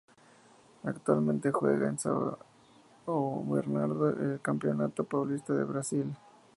Actualmente juega en el São Bernardo del Campeonato Paulista de Brasil.